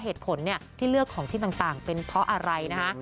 เหตุผลที่เลือกของชิ้นต่างเป็นเพราะอะไรนะคะ